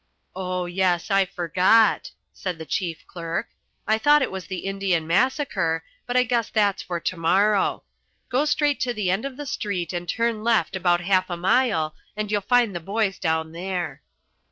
"Oh, yes, I forgot," said the chief clerk. "I thought it was the Indian Massacre, but I guess that's for to morrow. Go straight to the end of the street and turn left about half a mile and you'll find the boys down there."